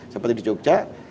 seperti di jogja